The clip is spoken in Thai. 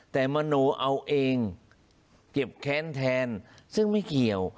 แต่มโนเอาเองเจ็บแค้นแทนซึ่งไม่เกี่ยว